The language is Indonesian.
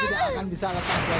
kamu tidak akan bisa lepas dari sini